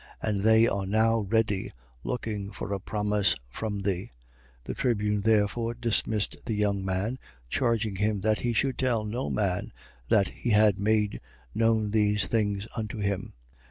And they are now ready, looking for a promise from thee. 23:22. The tribune therefore dismissed the young man, charging him that he should tell no man that he had made known these things unto him.